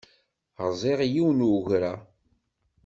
Rẓiɣ yiwen n ugra.